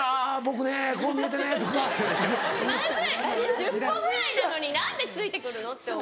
１０歩ぐらいなのに何でついて来るの？って思う。